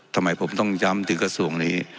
ทำไมผมต้องย้ำถึงกระทรวงนี้